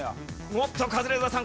おっとカズレーザーさん